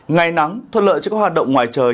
ngày nắng thuận lợi cho các hoạt động ngoài trời